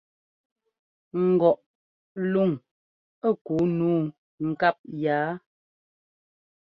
Ŋgɔʼ luŋ ku nǔu ŋkáp yaa?